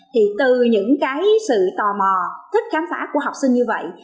thì từ những cái sự tò mò thích khám phá của học sinh như vậy